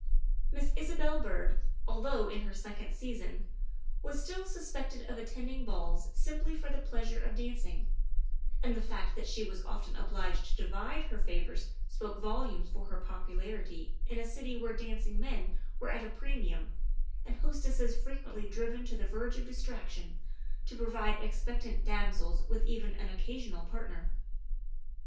Miss Isabel Byrd, although in her second season, was still suspected of attending balls simply for the pleasure of dancing, and the fact that she was often obliged to divide her favors spoke volumes for her popularity in a city where dancing men were at a premium and hos tesses frequently driven to the verge of distraction to provide expectant damsels with even an occasional part ner.